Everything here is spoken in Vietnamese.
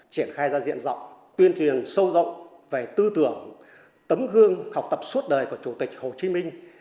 triển khai ra diện rộng tuyên truyền sâu rộng về tư tưởng tấm gương học tập suốt đời của chủ tịch hồ chí minh